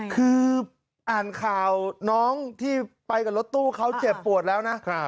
คืออ่านข่าวน้องที่ไปกับรถตู้เขาเจ็บปวดแล้วนะ